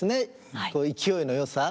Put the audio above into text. と勢いのよさ。